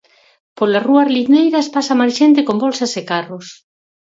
Polas rúas lindeiras, pasa máis xente con bolsas e carros.